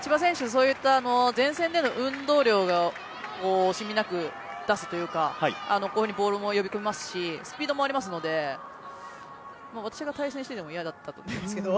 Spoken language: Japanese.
そういった前線での運動量が惜しみなく出すというかボールも呼び込めますしスピードもありますので私が対戦していても嫌だったと思いますけど。